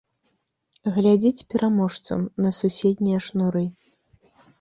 Глядзіць пераможцам на суседнія шнуры.